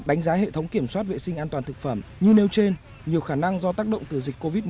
đánh giá hệ thống kiểm soát vệ sinh an toàn thực phẩm như nêu trên nhiều khả năng do tác động từ dịch covid một mươi chín